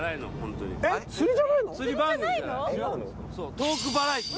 トークバラエティー⁉